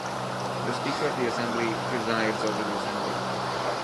The Speaker of the Assembly presides over the Assembly.